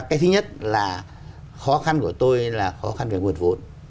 cái thứ nhất là khó khăn của tôi là khó khăn về nguồn vốn